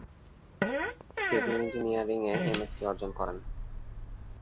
Civil ইঞ্জিনিয়ারিংয়ে MSc অর্জন করেন।